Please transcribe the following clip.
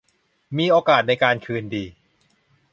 มีโอกาสในการคืนดี